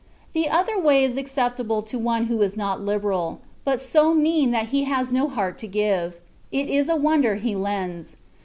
The other way is accept able to one who is not liberal, but so mean that he has no heart to give : it is a wonder he lends.